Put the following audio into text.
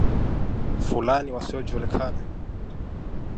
Fulani wasiojulikana